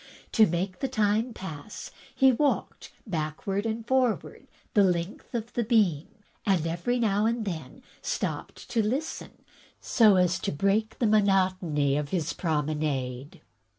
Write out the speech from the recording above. To make the time pass, he walked backward and forward the length THE RATIONALE OF RATIOCINATION 121 of the beam, and every now and then stopped to listen, so as to break the monotony of his promenade.